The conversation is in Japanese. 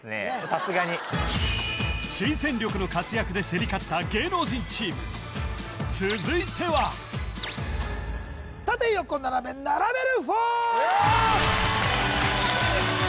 さすがに新戦力の活躍で競り勝った芸能人チーム続いては縦・横・斜めナラベル４！